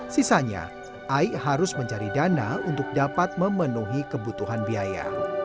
sisanya ai harus mencari dana untuk dapat memenuhi kebutuhan biaya